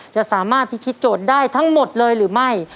จะสามารถพิธีโจทย์ได้ทั้งหมดเลยหรือไม่